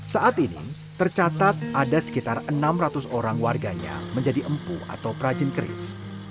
saat ini tercatat ada sekitar enam ratus orang warganya menjadi empu atau perajin keris